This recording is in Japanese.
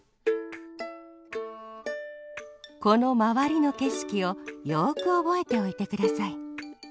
このまわりのけしきをよくおぼえておいてください。